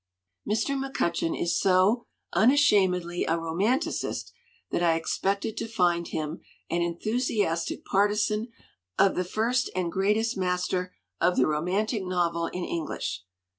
Mr. McCutcheon is so unashamedly a romanti cist that I expected to find him an enthusiastic partisan of the first and greatest master of the romantic novel in English.